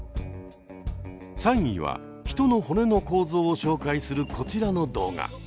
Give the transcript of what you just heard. ３位は人の骨の構造を紹介するこちらの動画。